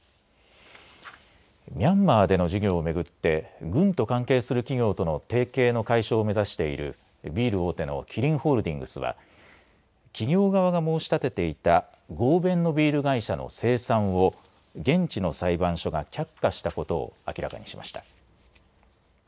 ミャンマーでの事業をめぐって軍と関係する企業との提携の解消を目指しているビール大手のキリンホールディングスは企業側が申し立てていた合弁のビール会社の清算を現地の裁判所が却下したことを明らかにしました。